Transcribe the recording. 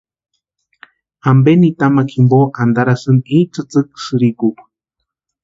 ¿Ampe nitamakwa jimpo antarasïni i tsïtsïki sïrikukwa?